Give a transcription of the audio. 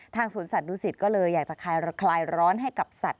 สวนสัตว์ดูสิตก็เลยอยากจะคลายร้อนให้กับสัตว